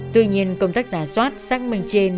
tuy nhiên công tác giả soát xác minh trên